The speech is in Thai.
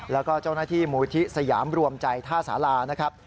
แล้วก็เจ้าหน้าที่มูลที่สยามรวมใจท่าสารานะครับ